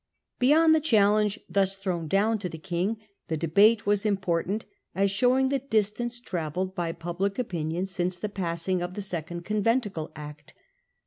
Beyond the challenge thus thrown down to the King, the debate was important as showing the distance tra velled by public opinion since the passing of Protestant the second Conventicle Act.